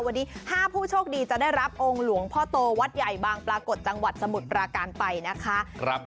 วันนี้๕ผู้โชคดีจะได้รับองค์หลวงพ่อโตวัดใหญ่บางปรากฏจังหวัดสมุทรปราการไปนะคะ